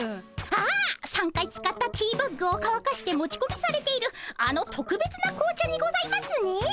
ああ３回使ったティーバッグをかわかして持ちこみされているあのとくべつな紅茶にございますね。